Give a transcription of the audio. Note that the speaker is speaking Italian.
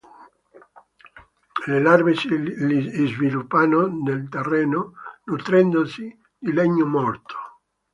Le larve si sviluppano nel terreno, nutrendosi di legno morto.